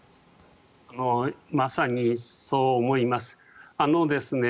まさにそう思います。